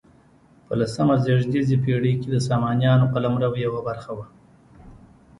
په لسمه زېږدیزې پیړۍ کې د سامانیانو قلمرو یوه برخه وه.